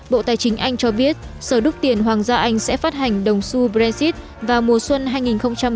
bộ tài chính anh cho biết sở đức tiền hoàng gia anh sẽ phát hành đồng xu brexit vào mùa xuân hai nghìn một mươi chín